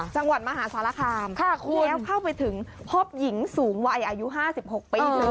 จังหวัดมหาสารคามแล้วเข้าไปถึงพบหญิงสูงวัยอายุ๕๖ปีเลย